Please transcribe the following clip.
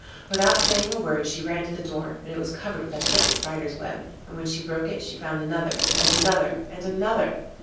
Without saying a word she ran to the door, but it was covered with a thick spider's web, and when she broke it she found another, and another, and another.